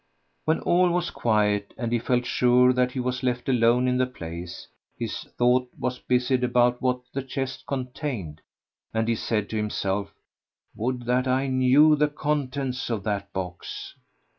When all was quiet and he felt sure that he was left alone in the place, his thought was busied about what the chest contained and he said to himself, "Would that I knew the contents of that box!"